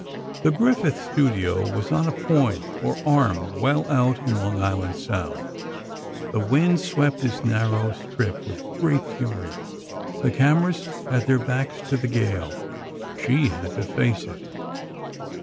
The Griffith studio was on a point or arm well out in Long Island Sound. The wind swept this narrow strip with great fury. The cameras had their backs to the gale. She had to face it.